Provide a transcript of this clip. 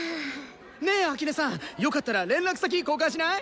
ねえ秋音さんよかったら連絡先交換しない？